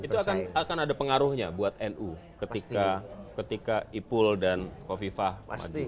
itu akan ada pengaruhnya buat nu ketika ipul dan kofifah maju